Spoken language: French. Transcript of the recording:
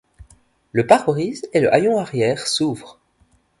Le parebrise et le hayon arrière s'ouvrent.